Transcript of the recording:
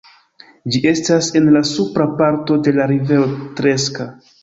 Ĝi estas en la supra parto de la rivero Treska.